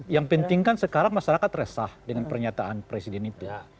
yang penting kan sekarang masyarakat resah dengan pernyataan presiden itu